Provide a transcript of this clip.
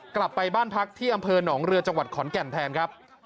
กลับไปบ้านพักที่อำเภอหนองเรือจังหวัดขอนแก่นแทนครับ